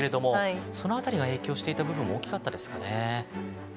その辺りが影響していた部分も大きかったですかね。